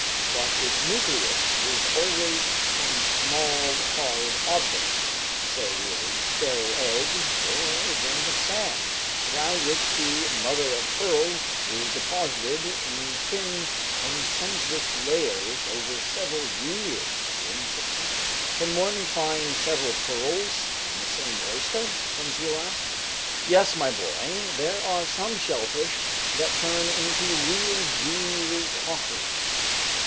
But its nucleus is always some small, hard object, say a sterile egg or a grain of sand, around which the mother of pearl is deposited in thin, concentric layers over several years in succession." "Can one find several pearls in the same oyster?" Conseil asked. "Yes, my boy. There are some shellfish that turn into real jewel coffers.